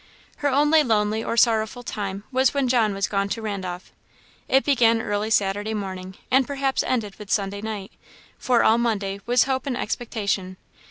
Her only lonely or sorrowful time was when John was gone to Randolph. It began early Saturday morning, and perhaps ended with Sunday night; for all Monday was hope and expectation.